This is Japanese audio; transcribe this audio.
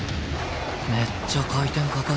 めっちゃ回転かかってる